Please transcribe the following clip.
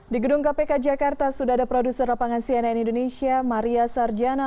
di gedung kpk jakarta sudah ada produser lapangan cnn indonesia maria sarjana